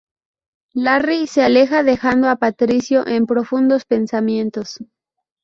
Larry se aleja dejando a Patricio en profundos pensamientos.